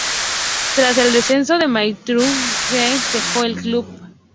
Tras el descenso de Altrincham, McKenna dejó el club.